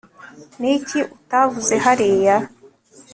ni iki utavuze hariya